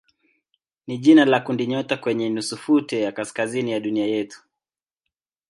ni jina la kundinyota kwenye nusutufe ya kaskazini ya dunia yetu.